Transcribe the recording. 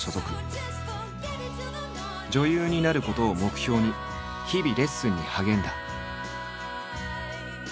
女優になることを目標に日々レッスンに励んだ。